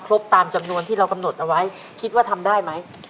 ตามจำนวนที่เรากำหนดเอาไว้คิดว่าทำได้ไหม